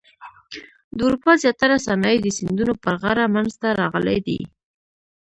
د اروپا زیاتره صنایع د سیندونو پر غاړه منځته راغلي دي.